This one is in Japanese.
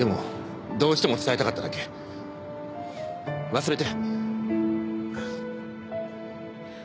忘れて。